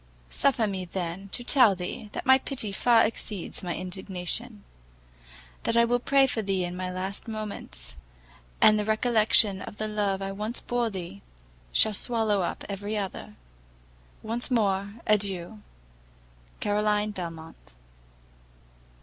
Suffer me, then, to tell thee, that my pity far exceeds my indignation, that I will pray for thee in my last moments, and that the recollection of the love I once bore thee, shall swallow up every other! Once more, adieu! CAROLINE BELMONT.